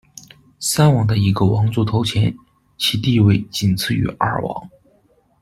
三王的一个王族头衔，其地位仅次于二王。